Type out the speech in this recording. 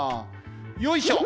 よいしょ！